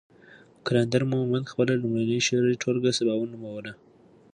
قلندر مومند خپله لومړۍ شعري ټولګه سباوون نوموله.